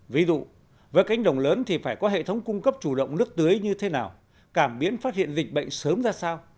ví dụ với cánh đồng lớn thì phải có hệ thống cung cấp chủ động nước tưới như thế nào cảm biến phát hiện dịch bệnh sớm ra sao